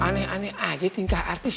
aneh aneh aja tingkah artis